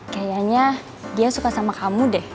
kayaknya dia suka sama kamu deh